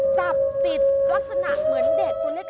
จับติดลักษณะเหมือนเด็กตัวเล็ก